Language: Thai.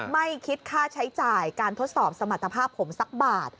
ไม่คิดค่าใช้จ่ายการทดสอบสมรรถภาพผมสักบาท